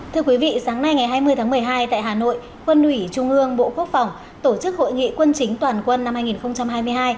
thưa quý vị sáng nay ngày hai mươi tháng một mươi hai tại hà nội quân ủy trung ương bộ quốc phòng tổ chức hội nghị quân chính toàn quân năm hai nghìn hai mươi hai